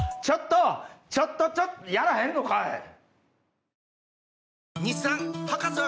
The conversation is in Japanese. ちょっとちょっとちょやらへんのかい！